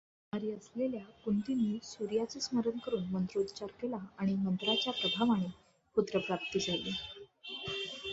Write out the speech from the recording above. कुमारी असलेल्या कुंतीने सूर्याचे स्मरण करून मंत्रोच्चार केला, आणि मंत्राच्या प्रभावाने पुत्रप्राप्ती झाली.